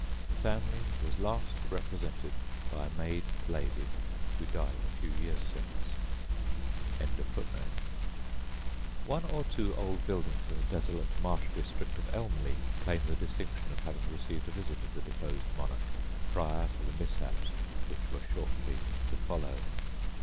The family was last represented by a maid lady who died a few years since.] One or two old buildings in the desolate marsh district of Elmley, claim the distinction of having received a visit of the deposed monarch prior to the mishaps which were shortly to follow.